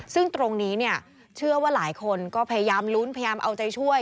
ซึ่งตรงนี้เนี่ยเชื่อว่าหลายคนก็พยายามลุ้นพยายามเอาใจช่วย